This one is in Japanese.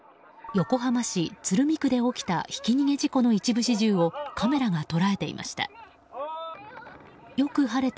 横浜市鶴見区で起きたひき逃げ事故の一部始終をカメラが捉えていました。